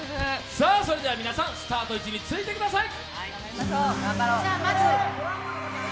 それでは皆さん、スタート位置についてください。